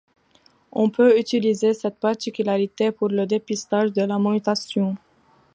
On peut utiliser cette particularité pour le dépistage de la mutation.